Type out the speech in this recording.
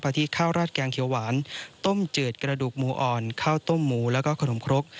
ที่ข้าวราดแกงเขียวหวานต้มจืดกระดูกหมูอ่อนข้าวต้มหมูแล้วก็ขนมครก